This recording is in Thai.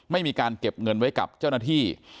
ไม่มีการเก็บเงินไว้กับเจ้าหน้าที่